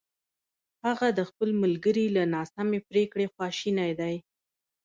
هغه د خپل ملګري له ناسمې پرېکړې خواشینی دی!